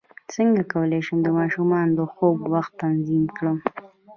څنګه کولی شم د ماشومانو د خوب وخت تنظیم کړم